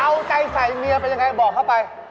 เอาใจใส่เมียเป็นยังไงบอกเข้าไป